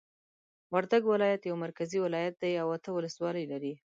وردګ ولایت یو مرکزی ولایت دی او اته ولسوالۍ لری